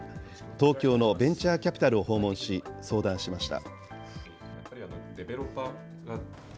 東京のベンチャーキャピタルを訪問し、相談しました。